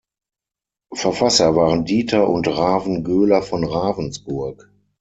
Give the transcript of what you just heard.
Verfasser waren Dieter und Ravan Göler von Ravensburg.